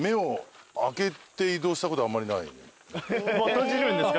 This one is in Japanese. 閉じるんですか？